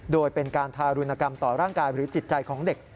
โดยเป็นการทารุณกรรมต่อร่างกายหรือจิตใจของเด็ก